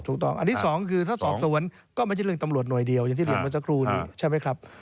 ถูกต้องอันที่สองคือถ้าสอบสวนก็ไม่ใช่เรื่องตำรวจหน่วยเดียวอย่างที่เรียนเมื่อสักครู่นี้ใช่ไหมครับ